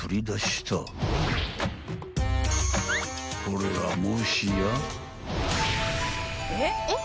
［これはもしや］